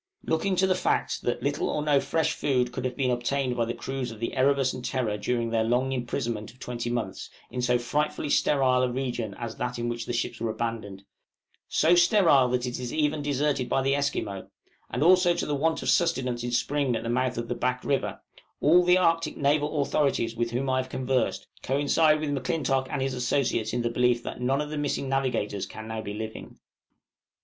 Looking to the fact, that little or no fresh food could have been obtained by the crews of the 'Erebus' and 'Terror' during their long imprisonment of twenty months, in so frightfully sterile a region as that in which the ships were abandoned, so sterile that it is even deserted by the Esquimaux, and also to the want of sustenance in spring at the mouth of the Back River, all the Arctic naval authorities with whom I have conversed, coincide with M'Clintock and his associates in the belief, that none of the missing navigators can be now living.